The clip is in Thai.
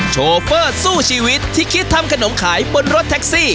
โชเฟอร์สู้ชีวิตที่คิดทำขนมขายบนรถแท็กซี่